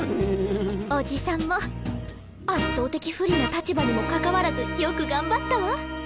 おじさんも圧倒的不利な立場にもかかわらずよく頑張ったわ。